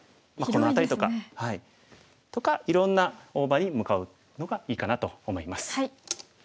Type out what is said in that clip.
広いですね。とかいろんな大場に向かうのがいいかなと思います。